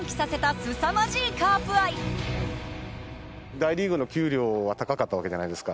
大リーグの給料は高かったわけじゃないですか。